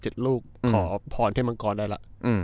ต่อเจ็ดลูกขอพรเท่มังกอดได้ล่ะ